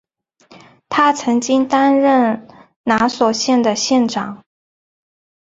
他曾经担任拿索县的县长。